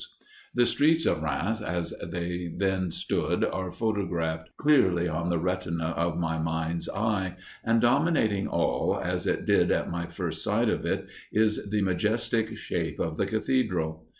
The streets of Rheims as they then stood are photographed clearly on the retina of my mind's eye, and, dominating all, as it did at my first sight of it, is the majestic shape of the cathedral.